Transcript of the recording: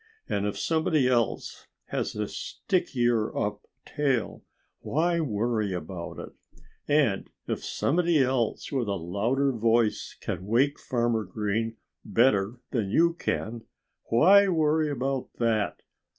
And if somebody else has a stickier up tail, why worry about it? And if somebody else with a louder voice can wake Farmer Green better than you can, why worry about that?